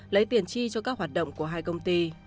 lấy tiền chi cho các hoạt động của hai công ty